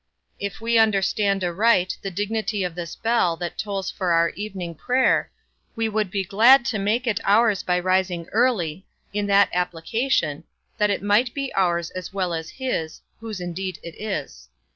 If we understand aright the dignity of this bell that tolls for our evening prayer, we would be glad to make it ours by rising early, in that application, that it might be ours as well as his, whose indeed it is.